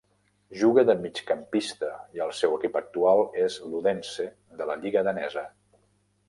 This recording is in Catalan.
Juga de migcampista i el seu equip actual és l'Odense de la lliga danesa.